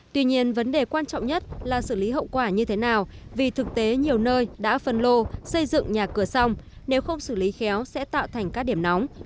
tuy nhiên vấn đề quan trọng nhất là xử lý hậu quả như thế nào vì thực tế nhiều nơi đã phân lô xây dựng nhà cửa xong nếu không xử lý khéo sẽ tạo thành các điểm nóng